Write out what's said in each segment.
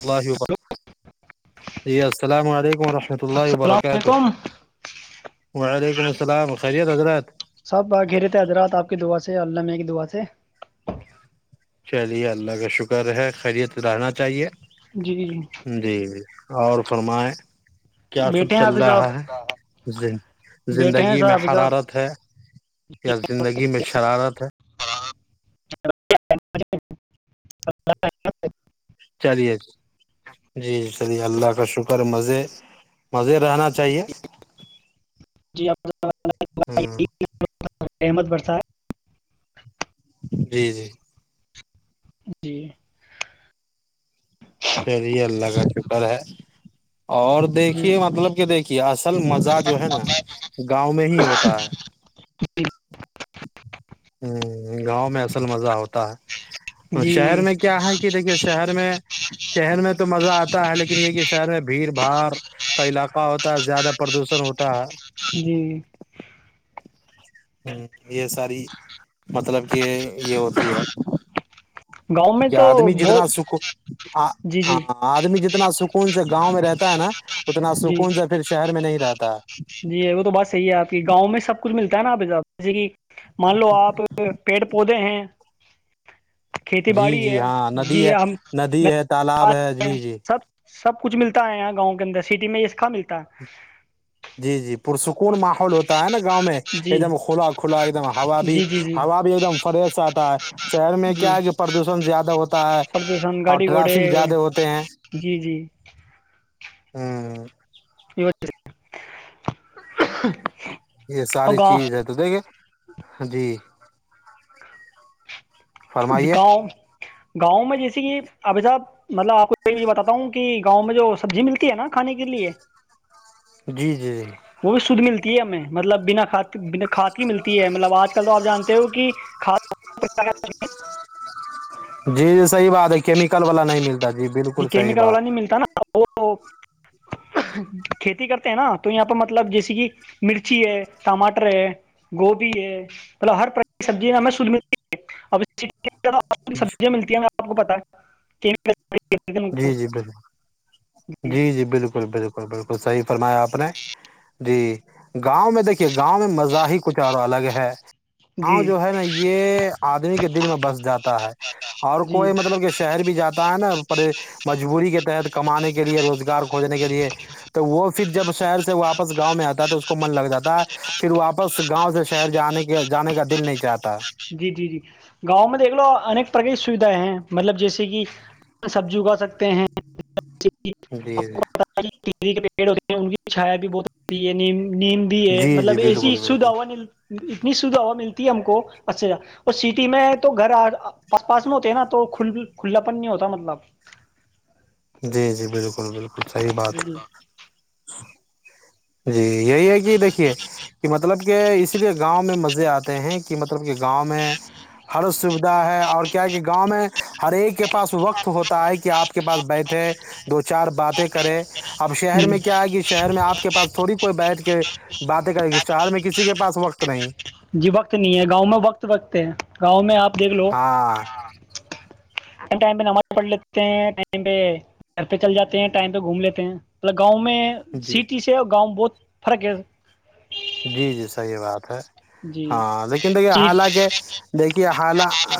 اللہ و جی السلام علیکم رحمۃ اللہ السلام وبرکاتہ علیکم وعلیکم السلام خیریت گزرات سب آ گھیرے تھے حضر رات آپ کی دعا سے اللہ میں ایک دعا سے چلیے اللہ کا شکر ہے خیریت رہنا چاہیے جی جی جی اور فرمائیں کیا سب بیٹھے ہیں چل حافظ صاحب رہا ہے بیٹھے ہیں زندگی صاحب میں حافظ صاحب حرارت ہے چل زندگی میں شرارت ہے [unintelligible] چلیے جی چلیے اللہ کا شکر مزے مزے رہنا چاہیے جی ہ احمد برسائے جی جی جی سی اللہ کا کرر ہے اور دیکھیے مطلب کہ دیکھیے اصل مزہ جو ہے نا گاؤں میں ہی ہوتا ہے ہ گاؤں میں اصل مزہ ہوتا ہے تو شہر جی میں کیا ہے کہ دیکھیے شہر میں شہر میں تو تو مزہ آتا ہے لیکن یہ کہ شہر میں بھیڑ باڑ کا علاقہ ہوتا ہے زیادہ پردوشن ہوتا ہے جی ہ یہ ساری مطلب کہ یہ ہوتی ہے گاؤں میں کہ تو آدمی جتنا بہت سک ہاں جی جی آدمی جتنا سکون سے گاؤں میں رہتا نا اتنا جی سکون سے پھر شہر میں نہیں رہتا ہے جی وہ تو بات صحیح ہے آپ کی گاؤں میں سب [unintelligible] مان لو آپ پیڑ پودے ہیں کھیتی جی باڑی جی ہے ہاں ندی جی ہے ہم ندی ہے تالاب ہے جی جی سب سب کچھ ملتا ہے یہاں گاؤں کے اندر سٹی میں یہ س کا ملتا ہے جی جی پرسکون ماحول ہوتا ہے نا گاؤں میں ایک جی دم کھلا کھلا ایک دم ہوا بھی جی جی جی ہوا بھی ایک دم فریش آتا ہے شہر میں جی کیا ہے کہ پردوشن زیادہ ہوتا ہے پردوشن اور گاڑی گھوڑے ٹرافک زیادہ ہوتے ہیں جی جی ہوں یہ یہ ساری چیز ہے تو دیکھے جی فرمائیے گاؤں گاؤں میں جیسے کہ ابھی صاحب مطلب آپ کو یہ بھی بتاتا ہوں کہ گاؤں میں جو سبزی ملتی ہے نا کھانے کے لیے جی جی جی وہ بھی شدھ ملتی ہے ہمیں مطلب بنا بنا کھاد کی ملتی ہے مطلب آج کل تو آپ جانتے ہو کہ کاد جی جی صحیح بات ہے کیمیکل والا نہیں ملتا جی جی بالکل صحیح کیمیکل بات والا نہیں ملتا نا وہ کھیتی کرتے ہیں نا تو یہاں پہ مطلب جیسیے کہ مرچی ہے ٹماٹر ہے گوبھی ہے مطلب ہر طرح کی سبزی ہمیں شھ ملتی ہے اب آ سبزیا ملتی ہیں آپ کو پتا جی جی جی بالکل جی جی بالکل بالکل ب بالکل صحیح فرمایا آپ نے جی گاؤں میں دیکھیے گاؤں میں مزاح کچھ اور الگ ہے گاؤں جو ہے نا یہ آدمی کے دل میں بس جاتا ہے اور جی کوئی مطلب کہ شہر بھی جاتا ہے نا مجبوری کے تحت کمانے کے لیے روزگار کھوجنے کے لیے تو وہ پھر جب شہر سے واپس گاؤں میں آتا ہے تو اس کو من لگ جاتا ہے پھر واپس گاؤں سے شہر جانے کے جانے کا دل نہیں چاہتا [unintelligible] ہیں مطلب جیسے کہ سبزی اگا سکتے ہیں جی جی کے پیڑ ہوتے ہیں ان کی چھیا بھی بہت ہوتی ہے نیم نیم بھی ہے جی جی مطلب ایسی بالکل شدا بالکل ہوا نہیں اتنی سیدھ ہوا ملتی ہے ہم کو اچھا اھا اور سٹی میں تو گھر آس پاس میں ہوتے ہیں نا تو کھلا پن نہیں ہوتا مطلب [unintelligible] جی جی بالکل بالکل صحیح بات ہے [unintelligible] [unintelligible] جی یہی ہے کہ دیکھیے کہ مطلب کہ اس لیے گاؤں میں مز [unintelligible] آتے ہیں کہ مطلب [unintelligible] کے گاؤں میں ہر سویدھا ہے اور کیا کہ گ [unintelligible] گاؤں میں ہر ایک کے [unintelligible] پاس وقت ہوتا ہے کہ آپ کے پاس بیٹھے دو چ چار باتیں کریں اب شہر جی میں کیا آئے گی شہر میں آپ کے پس تھوڑی کوئی [unintelligible] بیٹھ کے باتیں کریں گے شہر میں کسی کے پاس وقت نہیں جی وقت نہیں ہے گاؤں میں وقت وقت ہے گاؤں میں آپ دیکھ لو ہاں ٹائم پہ نماز پڑھ لیتے ہیں ٹائم پہ گھر پہ چل جاتے ہیں ٹائم پہ گھوم لیتے ہیں مطلب گاؤں میں جی سٹی سے اور گاؤں بہت فرق کیا جی جی صحیح بات ہے جی ہاں لیکن د جی حالگے د حال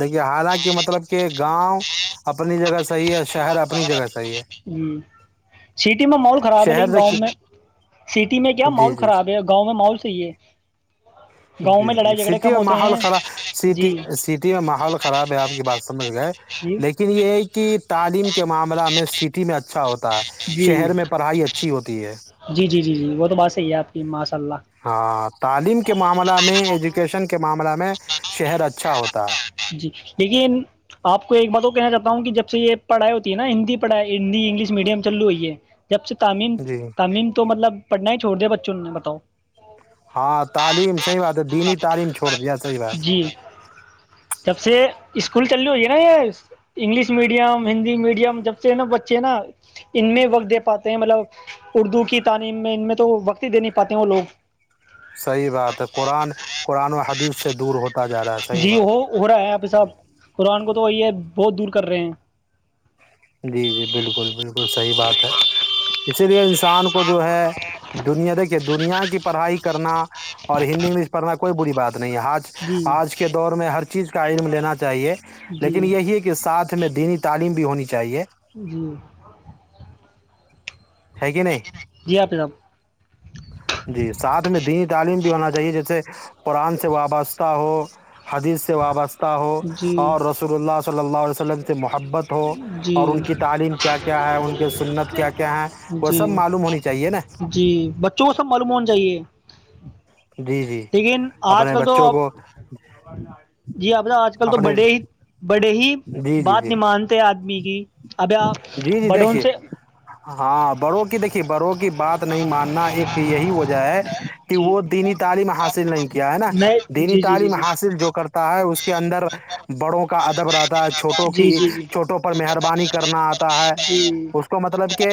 دیکھیے حالان کہ مطلب کہ گاؤں اپنی جگہ صحیح ہے شہر اپنی جگہ سے ہ سٹی میں ماحول خراب ہے شہر لیکن گاؤں دیکھیے میں سٹی میں کیا جی ماحول جی خراب ہے گاؤں میں ماحول صحیح ہے گاؤں جی میں جی لڑائی جھگڑے سٹی کم میں ہوتے ماحول ہیں خراب جی سٹی سٹی میں ماحول خراب ہے آپ کی پاس سمجھ گئے جی لیکن یہ کہ تعلیم کے معاملہ میں پیٹی میں اچھا ہوتا ہے جی شہر میں پڑھائی اچھی ہوتی ہے جی جی جی جی وہ تو بات صحیح ہے آپ کی ماں صاح ہاں تعلیم کے معاملہ میں ایجوکیشن کے معاملہ میں شہر اچھا ہوتا ہے جی لیکن آپ کو ایک بات وہ کہنا چاہتا ہوں کہ جب سے یہ پڑھائی ہوتی ہے نا ہندی پڑھائی ہندی انگلش میڈیم چللو ہوئی ہے جب سے تعمیم ہے جی تعلیم تو مطلب پڑھنا ہی چھوڑ دیا بچوں نے بتاؤ ہاں تعلیم صحیح بات ہے دینی تعلیم چھوڑ دیا صحیح بات جی جب سے اسکول چلنی ہو ہے نا یہ انگلش میڈیم ہندی میڈیم جب سے نا بچے نا ان میں وقت دے پاتے ہیں مطلب اردو کی تعلیم میں ان میں تو وقت ہی دے نہیں پاتے ہیں وہ لوگ صحیح بات ہے قرآن قرآن و حدیث سے دور ہو جی وہ ہو رہا ہے آپ صاحب قرآن کو تو وہی ہے بہت دور کر رہے ہیں جی جی بالکل بالکل صحیح بات ہے اسی لیے انسان کو جو ہے دنیا دیکھیے دنیا کی پڑھائی کرنا اور ہندی انگلش پڑھنا کوئی بری بات نہیں آج جی آج کے دور میں ہر چیز کا علم لینا چاہیے جی لیکن یہی ہے کہ ساتھ میں دینی تعلیم بھی ہونی چاہیے چاہیے جی ہے کہ نہیں [inaudible] جی ساتھ میں دینی تعلیم بھی ہونا چاہیے جیسے قرآن سے وابستہ ہو حدیث سے وابستہ ہو جی اور رسول اللہ س اللہ سے محبت ہو اور جی ان کی تعلیم کیا کیا ہے ان کی سنت کیا کیا ہے وہ جی سب معلوم ہونی چاہیے نا ملومون چاہیے جی جی لیکن آج اپنے کل تو بچوں آپ کو جی آپ آج کل تو اپنے بڑے ہی بڑے ہی جی جی بات نہیں مانتے آدمی کی اب آپ جی بڑوں دیکھیے سے ہاں بڑوں کی دیکھیے بڑوں کی بات نہیں ماننا ایک وجہ ہے کہ جی وہ دینت تعلیم حاصل نہیں کیا ہے نا نئے دینی جی جی جی جی تعلیم حاصل جو کرتا ہے اس کے اندر بڑوں کا اد دبرات چھوٹوں جی جی جی جی جی کی چھوٹوں پر مہربانی کرنا آتا ہے اس کو مطلب کہ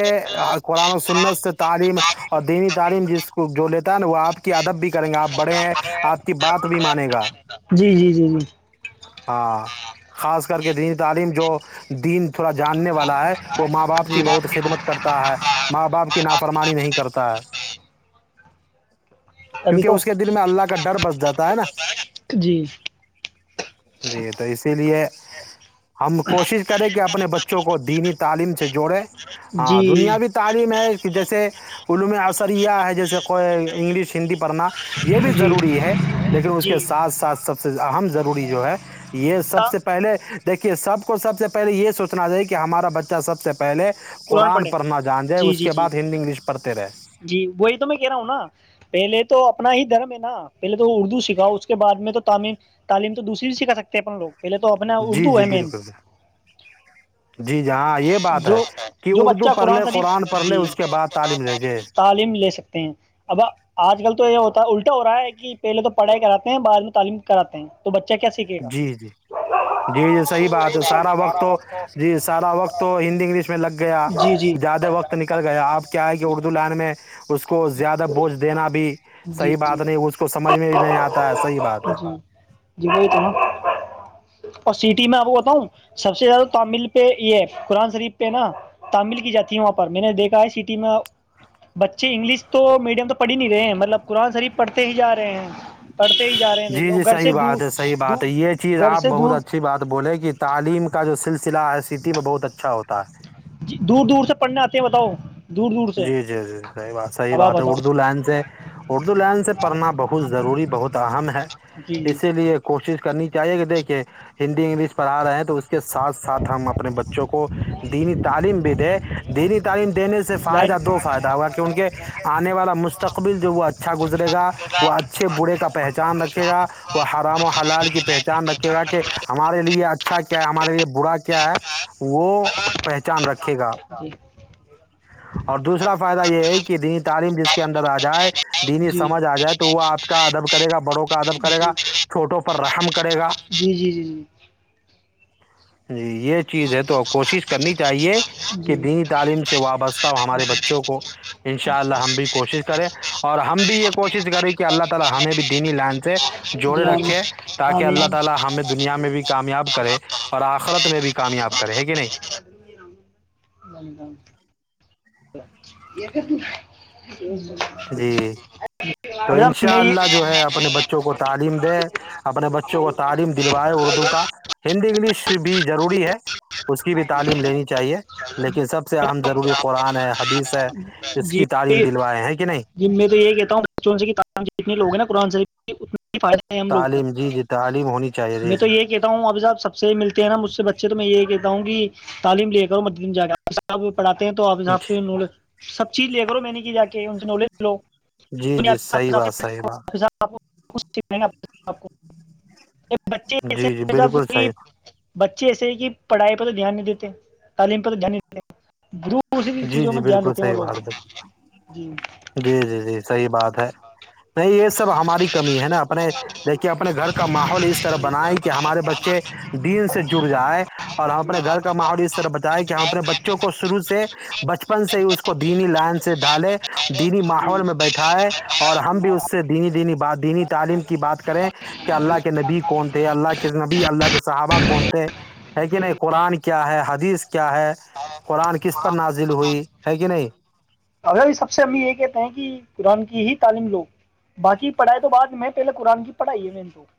قرآن و سنس تعلیم اور دینی جس کو جو لیتا ہے نا وہ آپ کی آدب بھی کریں گے آپ بڑے ہیں آپ کی بات بھی مانے گا جی جی جی جی ہاں خاص کر کے دینی تعلیم جو دن تھوڑا جاننے والا ہے وہ ماں باپ کی بہت خدمت کرتا ہے ماں باپ کی نافرمانی نہیں کرتا ہے ابھی کیونکہ تو اس کے دل میں اللہ کا ڈر بس جاتا ہے نا جی جی تو اسی لیے [inaudible] ہم کوشش کریں کہ آب اپنے بچوں کو دینی تعلیم سے جوڑیں ہاں جی دنیا بھی تعلیم ہے کہ جیسے عوم میں آ سیا ہے جیسے کوئی انگلش ہندی پڑھنا کہ یہ بھی جی ضروری ہے لیکن اس کے جی ساتھ ساتھ سب سے اہم ضروری جو ہے یہ سب تا سے پہلے دیکھیے سب کو سب سے پہلے یہ سوچنا تھااہ کہ ہمارا بچہ سب سے پہلے قرآن پڑھنا جان جائے جی اس جی کے جی بعد ہندی انگلش پڑھتے رہے جی وہی تو میں کہہ رہا ہوں نا پہلے تو اپنا ہی دھرم ہے نا پہلے تو اردو سکھاؤ اس کے بعد میں تو تعم تعلیم تو دوسری سکھا سکتے ہیں اپنے لوگ پہلے تو اپنا جی اردو جی ہے مین بالکل جی جی ہاں یہ بات جو ہے کہ جو بچہ اردو پڑھ قرآن لے شریف پڑھ لے جی اس کے بعد تعلیم لے جے تعلیم لے سکتے ہیں اب آج کل تو یہ ہوتا الٹا ہو رہا ہے کہ پہلے تو پڑھائی کراتے ہیں بع میں تعلیم کراتے ہیں تو بچے جی جی جی جی صحیح بات ہے سارا وقت ہو جی سارا وقت تو ہندی انگلش میں لگ گیا جی جی زیادہ وہ وقت نکل گیا آپ کیا ہے کہ اردو لان میں اس کو زیادہ بوجھ دینا بھی جی صحیح جی بات نہیں اس کو سمجھ میں بھی نہیں آتا ہے صحیح بات ہے جل اور سٹی میں آپ کو بتاؤوں سب سے زیادہ تامل پہ یہ قرآن شریف پہ نا تمل کی جاتی ہے وہاں پر میں نے دیکھا ہے سٹی میں بچے انگلش تو میڈیم تو پڑھ ہی نہیں رہے ہیں مطلب قرآن شریف پڑھتے ہی جا رہے ہیں پڑھتے ہی جا رہے ہیں دیکھ جی لو جی گھر صحیح سے دور بات ہے صحیح دور بات ہے یہ چیز گھر آپ سے بہت دور اچھی بات بولے کہ تعلیم کا جو سلسلہ سلع ہے سٹی میں بہت اچھا ہوتا ہے ج دور دور سے پڑھنے آتے ہیں بتاؤ دور دور سے جی جی جی صحیح بات صحیح اب آپ بات ہے بتاؤ اردو لائن سے اردو لائن سے پڑھنا بہت ضروری بہت اہم ہے جی جی اسی لیے کوشش کرنی چاہیے کہ دیکھے ہندی انگلش پڑھا رہے ہیں تو اس کے ساتھ ساتھ ہم اپنے بچے کو دینی تعلیم بھی دے دینی تعلیم دینے فائدہ لائٹ دو فائدہ ہوگا کہ ان کے آنے والا مستقبل جو وہ اچھا گزرے گا وہ اچھے برے کا پہچان رکھے گا وہ حرام و حلال کی پہچان رکھے گا کہ ہمارے لیے ا اچھا کیا ہے ہمارے لیے برا کیا ہے وہ پہچان رکھ جی اور دوسرا فائدہ یہ ہے کہ د تعلیم جس کے اندر آ جائے دینی جی سمجھ آ جائے تو وہ آپ کا ادب کرے گا بڑوں کو قدم جی کرے گا جی چھٹو رحم کر جی جی جی جی جی یہ چیز ہے تو کوشش کرنی چاہیے کہ جی دینی تعلیم سے وابستہ ہمارے بچوں کو انشاء اللہ ہم بھی کوش سارے اور ہم بھی یہ کوشش کریں کہ اللہ تعالی ہمیں بھی دینی لعن سے جوڑے جی آمین رکھے ہیں تاکہ اللہ آمین تعالی ہمیں دنیا میں بھی کامیاب کرے اور آخرت میں بھی کامیاب کرے ہے کہ نہیں یہ جی [unintelligible] تو حضرت میں انشاء یہ- اللہ جو ہے اپنے بچوں کو تعلیم دے اپنے بچوں کو تعلیم دلوائے اردو کا ہندی انگلش بھی ضروری ہے اس کی بھی تعلیم لینی چاہیے لیکن سب سے اہم ضروری قرآن ہے حدیث ہے اس جی کی تعلیم دلوائے ہیں [unintelligible] جی میں تو یہ کہتا ہوں بچوں سےت لوگ ہیں نا قرآن شریف اس میں [unintelligible] فائدہ ہے ہم لوگوں تعلیم جی کو جی تعلیم ہونی چاہیے جی میں تو یہ کہتا ہوں ابھی صاحب سب سے ملتے ہیں نا مجھ سے بچے تو میں یہی کہتا ہوں کہ [unintelligible] تعلیم لے کر اور مد دن جا کر س [unintelligible] پڑاتے ہیں تو آب صاب جی کے نول [unintelligible] سب چیز لے کرو میں نے کہ جا کے ان سے نالج [unintelligible] ہیلو جی جی صحیح بات صحیح بات [unintelligible] ا آپ کو [unintelligible] بچے جی ایسے جی ہیں صاحب بالکل کہ صحیح تھا [unintelligible] بچے ایسے کہ پڑھائی پ تو دھیان نہیں دیتے تعلیم پہ تو دھیان نہیں [unintelligible] گروپ [unintelligible] جی جی بالکل صحیح بات بالکل جی جی جی جی صحیح بات [unintelligible] نہیں یہ سب ہماری کمی ہے نا اپنے دیکھیے اپنے گھر کا ماحول اس طرح بنائے کہ ہمارے بچے دین سے جڑ جائے اور ہم اپنے گھر کا ماحول اس طرح بتائے کہ ہم اپنے بچوں کو شروع سے بچپن سے ہی اس کو دینی لائن سے ڈھالے دینی جی ماحول میں بیٹھیا اور ہم بھی اس سے دینی دینی بات دینی تعلیم کی بات کریں کہ اللہ کے نبی کون تھے اللہ کے نبی اللہ کے صحابہ کون تھے ہے کہ جی نہیں قرآن کیا ہے حدیث کیا ہے قرآن کس [unintelligible] ہوئی ہے کہ نہیں جی اھی بھی سب سے ہم یہ کہتے ہیں کہ [unintelligible] کی ہی تعلیم لو باقی پڑھائی تو بعد میں پہلے قرآن کی پڑھائی ہے میں تو [unintelligible]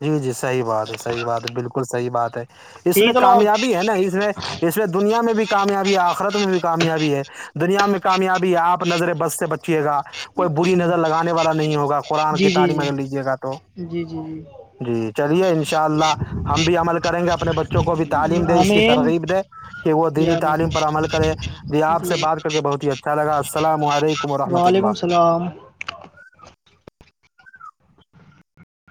جی جی صحی بات ہے صحیح بات ہے بالکل صحی بات ہے ہے اس میں ٹھیک لو آپ کامیابی ہے نا اس میں اس میں دنیا میں بھی کامیابی ہے آخرت میں بھی کامیابی ہے دنیا میں کامیابی ہے آپ نظریں بس سے بچے ے گا کوئی بری نظر لگانے والا نہیں ہوگا قرآن جی جی کی جی تعلیم اگر لیجے گا تو جی جی جی جی جی چلیے انشاء اللہ ہم بھی عمل کریں گے اپنے بچوں کو بھی جی تعلیم دیں اس کی آمین ترغیب دے کہ وہ جی دینی آمین تعلیم پر عمل کرے ج آپ سے جی بات کر کے بہت ہی اچھا لگا السلام علیکم وورحمت وعلیکم اللہ السلام